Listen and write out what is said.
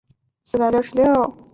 近年的推移如下表。